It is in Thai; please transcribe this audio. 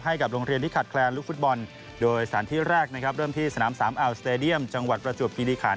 ให้กับโรงเรียนที่ขาดแคลนลูกฟุตบอลโดยสถานที่แรกนะครับเริ่มที่สนามสามอัลสเตดียมจังหวัดประจวบคิริขัน